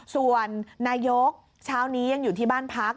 ส่วนนายกเช้านี้ยังอยู่ที่บ้านพัก